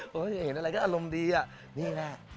เห็นอะไรก็อารมณ์ดีอ่ะนี่แหละ